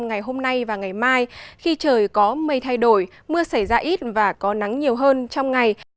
ngày mai khi trời có mây thay đổi mưa xảy ra ít và có nắng nhiều hơn trong ngày